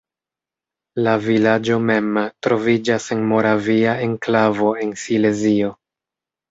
La vilaĝo mem troviĝas en moravia enklavo en Silezio.